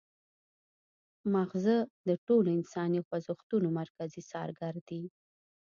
مغزه د ټولو انساني خوځښتونو مرکزي څارګر دي